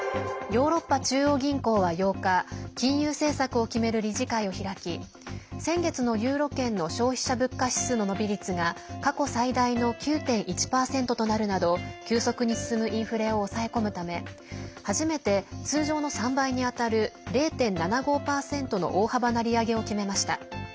ヨーロッパ中央銀行は８日金融政策を決める理事会を開き先月のユーロ圏の消費者物価指数の伸び率が過去最大の９．１％となるなど急速に進むインフレを抑え込むため初めて通常の３倍に当たる０．７５％の大幅な利上げを決めました。